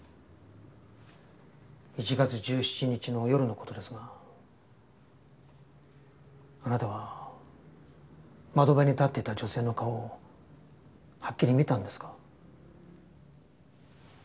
１月１７日の夜の事ですがあなたは窓辺に立っていた女性の顔をはっきり見たんですか？